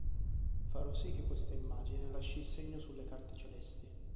Farò sì che questa immagine lasci il segno sulle carte celesti.